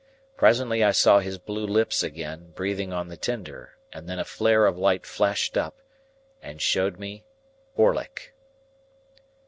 Presently I saw his blue lips again, breathing on the tinder, and then a flare of light flashed up, and showed me Orlick.